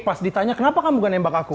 pas ditanya kenapa kamu bukan nembak aku